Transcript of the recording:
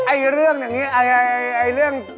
ไอ้เรื่องอย่างนี้ไอ้เรื่อง